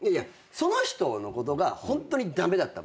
その人のことがホントに駄目だった場合ね。